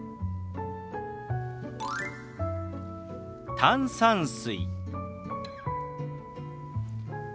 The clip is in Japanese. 「炭酸水」。